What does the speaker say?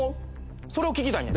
それを聞きたいんや。